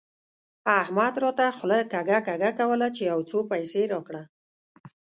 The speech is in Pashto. احمد راته خوله کږه کږه کوله چې يو څو پيسې راکړه.